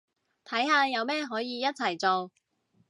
睇下有咩可以一齊做